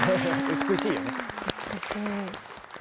美しい。